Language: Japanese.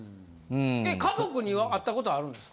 家族には会った事はあるんですか？